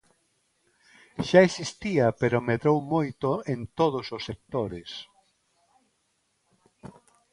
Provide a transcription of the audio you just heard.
Xa existía pero medrou moito en todos os sectores.